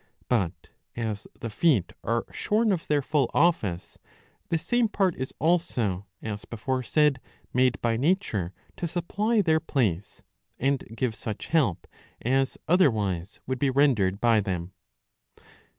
But as the feet are shorn of their full office, this same part is also, as before said, made by nature to supply their place, and give such help as otherwise would be rendered by them.